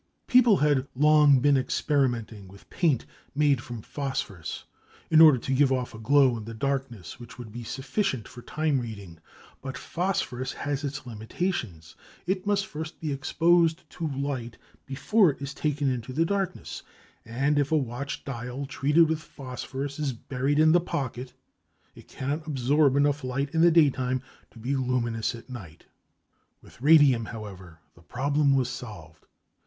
People had long been experimenting with paint made from phosphorous in order to give off a glow in the darkness which would be sufficient for time reading, but phosphorus has its limitations; it must first be exposed to light before it is taken into the darkness, and if a watch dial treated with phosphorus is buried in the pocket it cannot absorb enough light in the daytime to be luminous at night. With radium, however, the problem was solved.